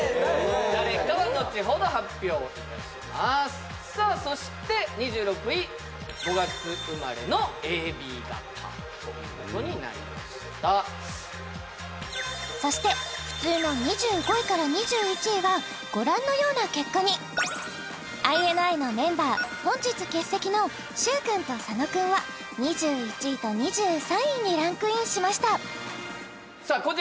誰かは後ほど発表いたしますさあそして２６位そしてふつうの２５位から２１位はご覧のような結果にＩＮＩのメンバー本日欠席の許君と佐野君は２１位と２３位にランクインしましたさあ